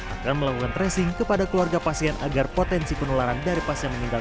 akan melakukan tracing kepada keluarga pasien agar potensi penularan dari pasien meninggal